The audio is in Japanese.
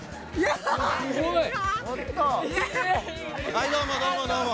はいどうもどうもどうも。